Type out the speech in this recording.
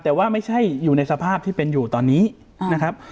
แต่ว่าไม่ใช่อยู่ในสภาพที่เป็นอยู่ตอนนี้นะครับ